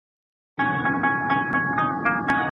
د دې کیلي ساتل او کارول د هر زده کوونکي مسؤلیت دی.